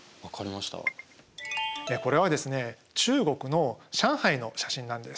これはですね中国の上海の写真なんです。